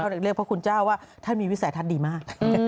เรียกพระคุณเจ้าว่าท่านมีวิสัยทัศน์ดีมาก